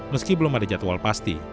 meski belum ada jadwal pasti